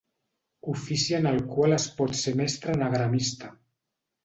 Ofici en el qual es pot ser mestre anagramista.